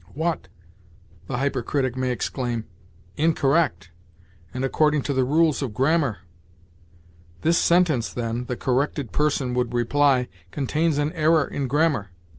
'What!' the hypercritic may exclaim, 'incorrect! and according to the rules of grammar!' 'This sentence, then,' the corrected person would reply, 'contains an error in grammar.'